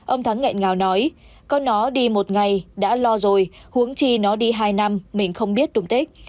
ông thắng nghẹn ngào nói con nó đi một ngày đã lo rồi huống chi nó đi hai năm mình không biết tùng tích